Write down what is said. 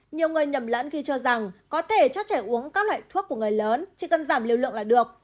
nhiều người nhầm lẫn khi cho rằng có thể cho trẻ uống các loại thuốc của người lớn chỉ cần giảm lưu lượng là được